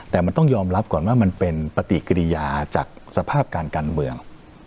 แต่มันต้องยอมรับก่อนว่ามันเป็นปฏิกิริยาจากสภาพการการเมือง